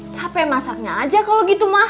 capek masaknya aja kalau gitu mah